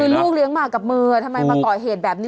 คือลูกเลี้ยงหมากกับมือทำไมมาก่อเหตุแบบนี้